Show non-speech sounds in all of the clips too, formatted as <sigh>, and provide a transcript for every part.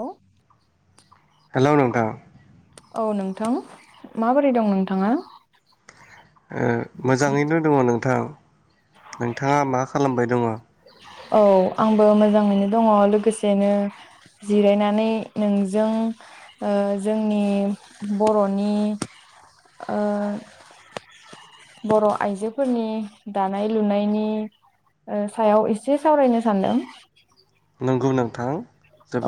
औ हेल' नोंथां औ नोंथां माबोरै दं नोंथाङा? मोजाङैनो दङ नोंथां। नोंथाङा मा खालामबाय दङ? औ आंबो मोजाङैनो दङ लोगोसेनो जिरायनानै नोंजों ओ जोंनि बर'नि बर' आइजोफोरनि दानाय लुनायनि सायाव एसे सावरायनो सानदों। नंगौ नोंथां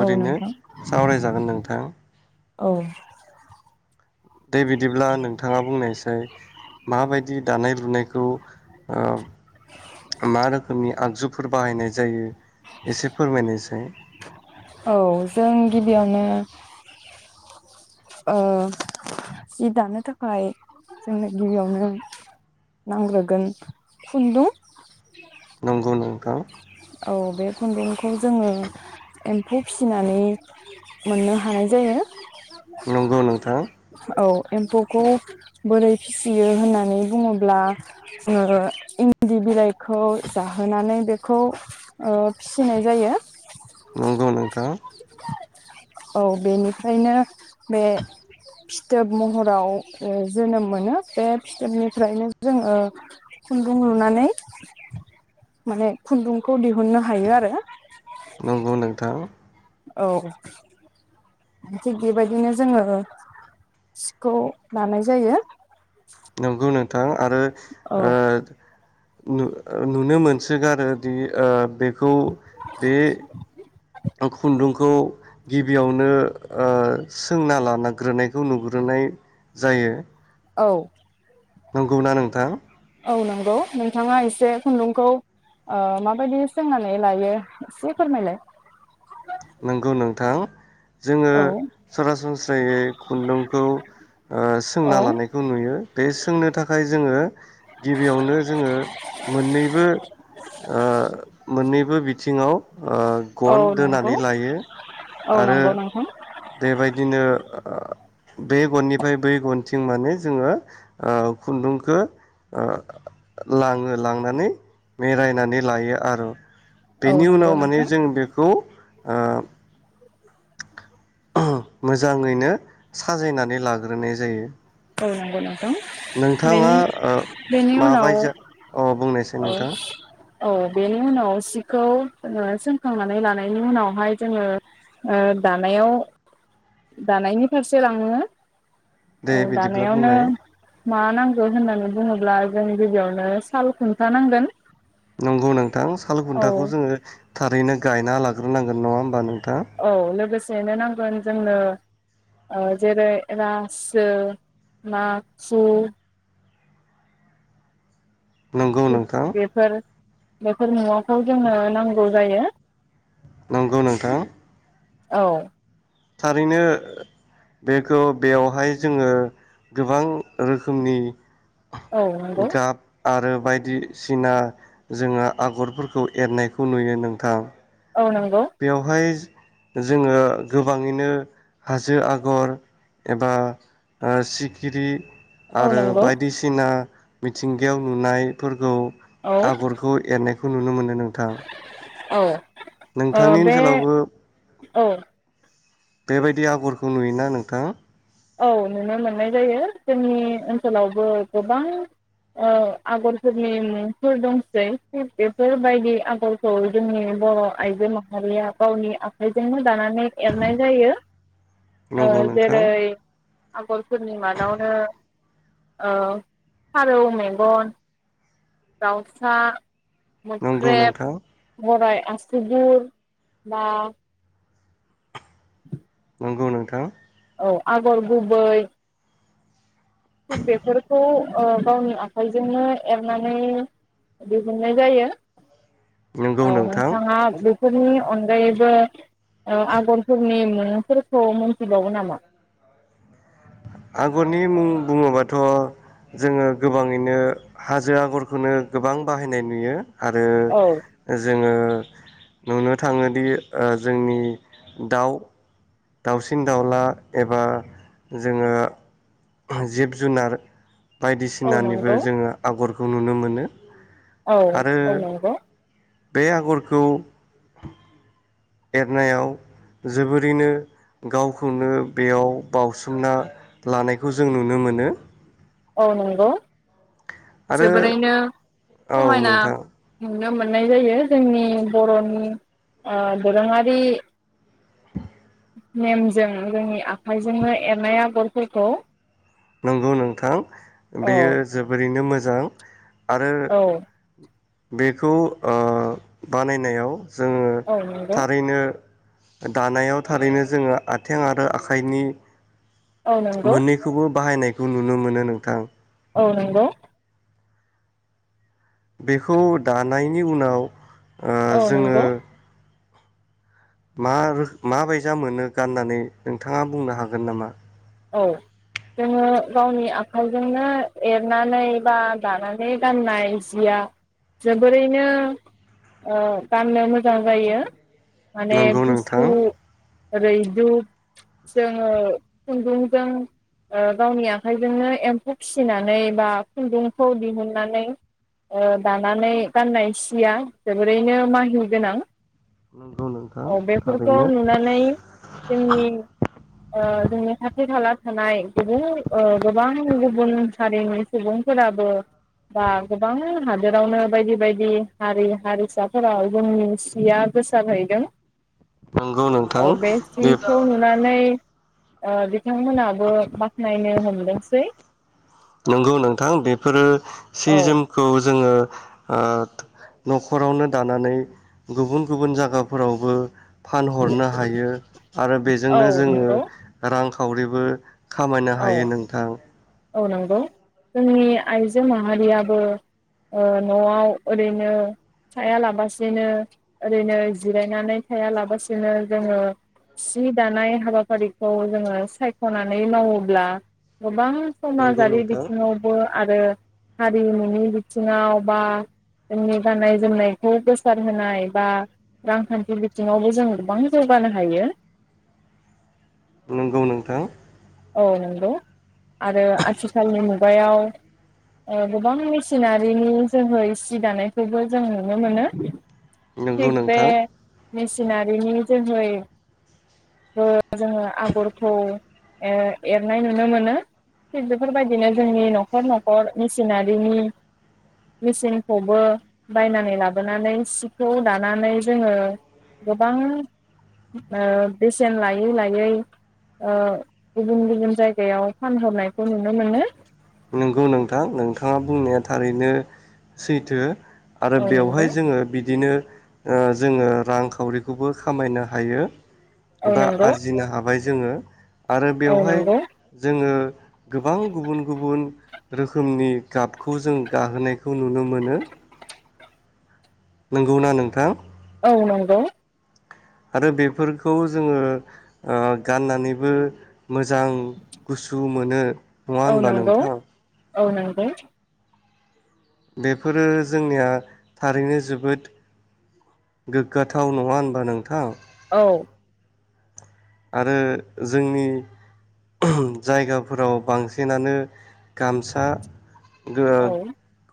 औ नोंथां सावरायजागोन नोंथां। औ दे बिदिब्ला नोंथाङा बुंनायसाय माबायदि दानाय लुनायखौ ओ मा रोखोमनि आगजुफोर बाहायनाय जायो? एसे फोरमायनायसाय। औ जों गिबियावनो ओ जि दानो थाखाय जोंनो गिबियावनो नांग्रोगोन खुन्दुं। नंगौ नों औ बे खुन्दुंखौ जोङो एम्फौ फिसिनानै मोननो हानाय जायो। नंगौ नोंथां औ एम्फौखौ बोरै फिसियो होननानै बुङोब्ला ओ इन्दि बिलाइखौ जाहोनानै बे खौ ओ फिनाय जायो। नंगौ नोंथां औ बेनिफ्रायनो बे फिथोब महराव जोनोम मोनो बे फिथोबनिफ्रायनो जोङो खुन्दुं लुनानै माने खुन्दुंखौ दिहुननो हायो आरो। नंगौ नोंथां औ थिग बेबायदिनो जोङो सिखौ लानाय जायो। नंगौ नों थां आरो औ ओ नु-नुनो मोनसोगारो दि ओ बेखौ बे खुन्दुं खौ गिबियावनो ओ सोंना लानाग्रोनायखौ नुग्रोनाय जायो। औ। नंगौना नोंथां? औ नंगौ, नोंथाङा एसे खुन्दुंखौ अ माबायदि सोंनानै लायो एसे फोरमायलाय। नोंगौ नोंथां। जोङो औ सरासनस्रायै खुन्दुंखौ ओ औ सोंना लानायखौ नुयो बे सोंनो थाखाय जोङो गिबियावनो जोङो मोननैबो। अ मोननैबो बिथिङाव अ औ गन नंगौ दोनानै लायो औ आरो नंगौ नोंथां बेबायदिनो बे गननिफ्राय बै गनथिं माने जोङो अ खुन्दुंखौ अ लाङो लांनानै बमेरायायनानै लायो आरो। औ बेनि नंगौ उनाव माने नोंथां जों बेखौ ओ मोजाङैनो साजायनानै लाग्रोनाय जायो। औ नंगौ नों नोंथाङा बेनि उनाव माबाय अ बुंनायसै औ नोंथां? औ बेनि उनाव सिखौ सोंखांनानै लानायनि उनावहाय जोङो ओ दानायाव। दानायनि फारसे लाङो। दे औ बिदिब्ला दानायावनो। बुंनाय मा नांगौ होननानै बुङोब्ला जों गिबियावनो साल खुन्था नांगोन। नंगौ नों साल औ खुन्थाखौ जोङो थारैनो गायना लाग्रोनांगोन नङा होमबा? नों- औ लोगोसे- सेनो नांगोन जोंनो ओ जेरै रासो माखु नंगौ नोंथां। बेफोर बेफोर मुवाखौ जोंनो नांगौ जायो। नंगौ नोंथां। औ। थारैनो बेखौ बेयावहाय जोङो गोबां रोखोमनि। औ नंगौ। गाब आरो बायदिसिना जोङो आगरफोरखौ एरनायखौ नुयो नोंथां। औ नंगौ बेवहाय जोङो गोबाङैनो हाजो आगर एबा ओ सिखिरि औ आरो नंगौ बायदिसिना। मिथिंगायाव नुनाय फोरखौ। औ आगरखौ एरनायखौ। बेखौ नुनो मोनो। नोंथां औ ओ नोंथांनि बे ओनसोलावबो औ बेबायदि आगरखौ नुयोना नोंथां औ नुनो मोननाय जायो जोंनि ओनसोलावबो गोबां ओ आगरफोरनि मुंफोर दंसै थिग बेफोरबायदि आगरखौ जोंनि बर आइजो माहारिया गावनि आखाइजोंनो दानानै एरनाय जायो ओ नंगौ नोंथां जेरै आगरफोरनि मादावनो ओ फारौ मेगन दाउसा नंगौ मोख्रेब नोंथां बराइ आसुगुर बा लांदां नंगौ नोंथां औ आगर गुबै बेसारखौ गावनि आखाइजोंनो एरनानै दिहुननाय जायो। नंगौ औ नोंथां नोंथाङा फोरनि अनगायैबो आगरफोरनि मुंफोरखौ मोनथिबावो नामा आगरनि मुं बुङोबाथ' जोङो गोबाङैनो हाजो आगरखौनो गोबां बाहायनाय नुयो। आरो औ जोङो नुनो थाङोदि जोंनि दाउ दाउसिन दाउला एबा जोङो जिब-जुनार औ नंगौ बायदिसिनानिबो जोङो आगर खौ नुनो मोनो। औ आरो औ नंगौ। बे आगरखौ एरनायाव जोबोरैनो गावखौनो बेयाव बावसोमना लानायखौ जों नुनो मोनो। औ नंगौ। आरो जोबोरैनो औ समायना नोंथां नुनो मोननाय जायो जोंनि बर'नि दोरोङारि <inaudible> नेमजों जोंनि आखाइजोंनो एरनाय आगरफोरखौ नंगौ नोंथां औ बेयो जोबोरैनो मोजा जां आरो औ बेखौ बानायनायाव जोङो औ नंगौ थारैनो दानायाव थारैनो जोङो आथें आरो आखाइनि औ नंगौ मोननैखौबो बाहायनायखौ नुनो मोनो नोंथां औ नंगौ बेखौ दानायनि उनाव औ जोङो नंगौ मा रोख मा बायसा मोनो गाननानै नोंथाङा बुंनो हागोन नामा औ जोङो गावनि आखाइजोंनो एरनानै बा दानानै गाननाय जिया जोबोरैनो गाननो मोजां जायो माने नंगौ नोंथां गुसु रैदुब जोङो खुन्दुंजों गावनि आखाइजोंनो एम्फौ फिसिनानै बा खुन्दुंखौ दिहुननानै दानानै गाननाय सिया जोबोरैनो माहि गोनां नंगौ नोंथां औ बेफोरखौ थारैनो नुनानै जोंनि जोंनि खाथि खाला थानाय गुबुन गोबां गुबुन हारिनि सुबुंफोराबो बा गोबां हादोरावनो बायदि बायदि हारि हारिसाफोराव जोंनि सिया गोसारहैदों नंगौ नोंथां बे <unintelligible> बिथांमोनाबो बाखनायनो हमदोंसै नंगौ नोंथां बेफोरो सि औ जोमखौ जोङो न'खरावनो दानानै गुबुन गुबुन जायगाफोरावबो फानहरनो हायो आरो औ बेजोंनो जोङो नंगौ रां खावरिबो खामायनो औ हायो नोंथां औ नंगौ जोंनि आइजो माहारियाबो न'आव ओरैनो थाया लाबसिनो ओरैनो जिरायनानै थाया लाबसिनो जोङो सि दानाय हाबाफारिखौ जोङो सायख'नानै मावो <unintelligible> गोबां नंगौ समाजारि नोंथां बिथिङावबो आरो हारिमुनि बिथिङाव बा जोंनि गाननाय जोमनायखौ गोसार होनाय बा रांखान्थि बिथिङावबो जों गोबां जौगानो हायो नंगौ नोंथां औ नंगौ आरो आथिखालनि मुगायाव गोबां मेसिनारिनि जोङो सि दानायखौबो जों नुनो मोनो नोंगौ थिग बे नोंथां मेसिनारिनि जोहै जोङो आगरखौ एरनाय नुनो मोनो थिग बेफोरबायदिनो जोंनि न'खर न'खर मेसिनारिनि मेसिनखौबो बायनानै लाबोनानै सिखौ दानानै जोङो गोबां बेसेन लायै लायै गुबुन गुबुन जायगायाव फानहरनायखौ नुनो मोनो नंगौ नोंथां नोंथाङा बुंनाया थारैनो सैथो आरो औ नंगौ बेवहाय जोङो बिदिनो जोङो रांखावरिखौबो खामायनो हायो औ एबा नंगौ आरजिनो हाबाय जोङो आरो औ बेवहाय नंगौ जोङो गोबां गुबुन गुबुन रोखोमनि गाबखौ जों गाहोनायखौ नुनो मोनो। नंगौ ना नोंथां? औ नंगौ। आरो बेफोरखौ जोङो ओ गाननानैबो मोजां गुसु मोनो। नङा औ होनबा नंगौ नोंथां? औ नंगौ‌। बेफोरो जोंनिया थारैनो जोबोद गोग्गाथाव नङा होनबा नोंथां? औ। आरो जोंनि जायगाफोराव बांसिनानो गामसा ओ औ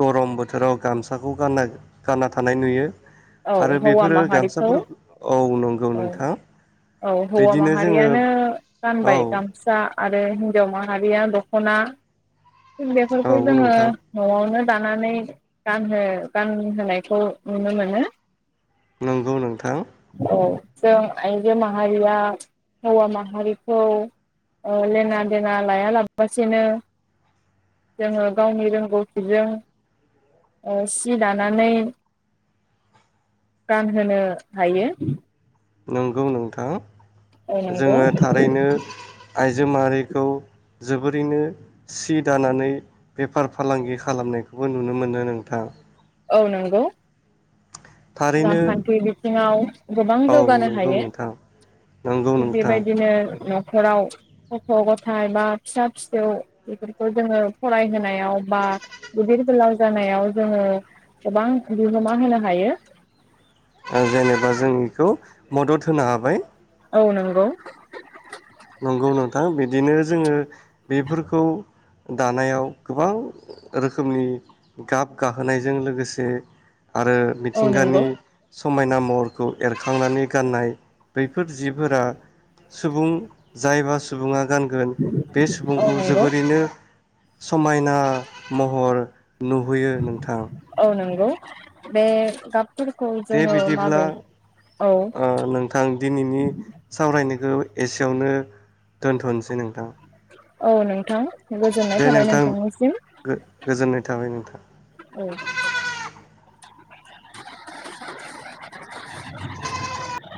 गरमबो बोथोराव गामसाखौ गानना गानना थानाय नुयो। औ आरो हौवा बेफोरो माहारिखौ गामसाफोर औ नंगौ औ नोंथां। औ हौवा बिदिनो जोङो माहारियानो औ गानबाय गामसा आरो हिन्जाव माहारिया दख'ना औ बेफोरखौ जोङो नोंथां न'आवनो दानानै गानहो गानहोनायखौ नुनो मोनो। नंगौ नोंथां। औ जों आइजो माहारिया हौवा माहारिखौ ओ लेना देना लायालासेनो जोङो गावनि रोंगौथिजों ओ सि दानानै गानहोनो हायो। नंगौ नोंथां औ नंगौ जोङो थारैनो आइजो माहारिखौ जोबोरैनो सि दानानै बेफार फालांगि खालामनायखौबो नुनो मोनो नोंथां। औ नंगौ। थारैनो रांखान्थि बिथ थिङाव गोबां औ जौगानो नंगौ हायो नोंथां नंगौ थिग नोंथां बेबायदिनो न'खराव गथ' गथाय बा फिसा फिसौ बेफोरखौ जोङो फरायहोनायाव बा गिदिर गोलाव जानायाव जोङो गोबां बिहोमा होनो हायो। जेनेबा जों बेखौ मदद होनो हाबाय। औ नंगौ। नंगौ नोंथां बिदिनो जोङो बेफोरखौ दानायाव गोबां रोखोमनि गाब गाहोनायजों लोगोसे आरो औ नंगौ मिथिंगानि समायना महरखौ एरखांनानै गाननाय बैफोर जिफोरा सुबुं जायबा सुबुङा गानगोन बे औ सुबुंखौ नंगौ जोबोरैनो समायना महर नुहैयो नोंथां। औ नंगौ बे गाबफोरखौ दे जोङो बिदिब्ला माबे औ ओ नोंथां दिनैनि सावरायनायखौ एसेयावनो दोन्थ'नोसै नोंथां। औ नंगौ। नोंथां गोजोननाय दे थाबाय नोंथां नोंथांनिसिम गो-गोजोननाय थाबाय नोंथां। औ। <inaudible>